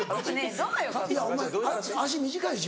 いやお前脚短いし。